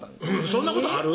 そんなことある？